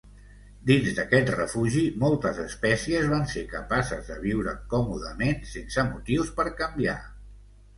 Dins d'aquest refugi moltes espècies van ser capaces de viure còmodament sense motius per canviar.